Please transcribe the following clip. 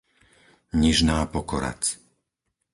Nižná Pokoradz